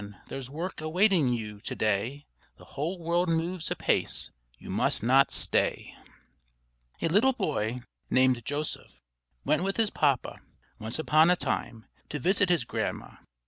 there's work awaiting you to day; The whole world moves apace, you must not stay_." A little boy, named Joseph, went with his papa, once upon a time, to visit his Grandma.